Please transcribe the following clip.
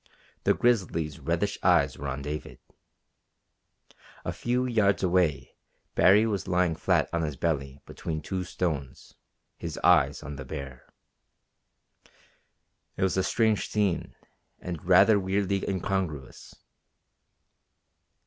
The grizzly's reddish eyes were on David. A few yards away Baree was lying flat on his belly between two stones, his eyes on the bear. It was a strange scene and rather weirdly incongruous.